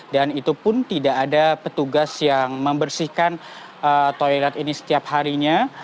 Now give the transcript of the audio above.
dan itu pun tidak ada petugas yang membersihkan toilet ini setiap harinya